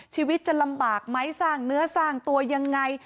ชีวิตจะลำบากไหมสร้างเนื้อสร้างตัวยังไง